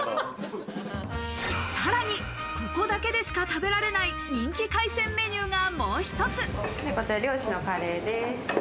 さらに、ここだけでしか食べられない人気海鮮メニューがもう一つ。